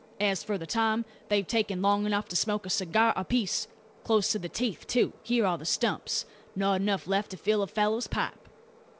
As for the time, they've taken long enough to smoke a cigar apiece close to the teeth too. Here are the stumps; not enough left to fill a fellow's pipe."